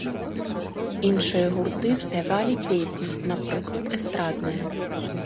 Іншыя гурты спявалі песні, напрыклад, эстрадныя.